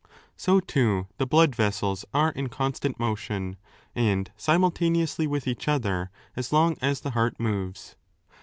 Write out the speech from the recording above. So, too, the blood vessels are in constant motion, and simultaneously with each other, as long as the heart moves.